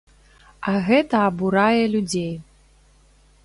А гэта абурае людзей.